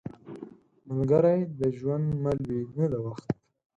ملګری د ژوند مل وي، نه د وخت.